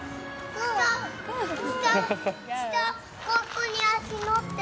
ここに足のって。